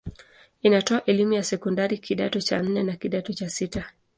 Inatoa elimu ya sekondari kidato cha nne na kidato cha sita.